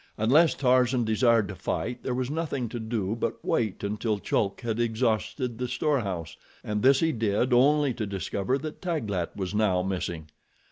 Unless Tarzan desired to fight there was nothing to do but wait until Chulk had exhausted the storehouse, and this he did, only to discover that Taglat was now missing.